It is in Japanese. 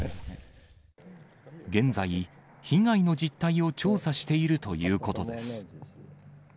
現在、被害の実態を調査しているということです。